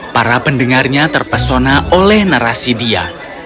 para pendengarnya terpesona oleh narasi dia